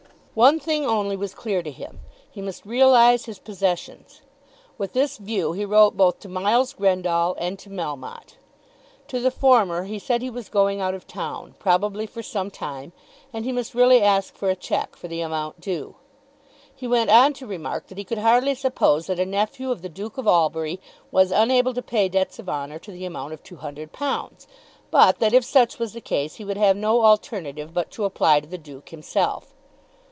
One thing only was clear to him. He must realise his possessions. With this view he wrote both to Miles Grendall and to Melmotte. To the former he said he was going out of town, probably for some time, and he must really ask for a cheque for the amount due. He went on to remark that he could hardly suppose that a nephew of the Duke of Albury was unable to pay debts of honour to the amount of £200; but that if such was the case he would have no alternative but to apply to the Duke himself.